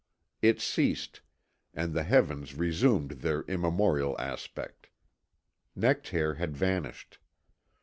It ceased, and the heavens resumed their immemorial aspect. Nectaire had vanished.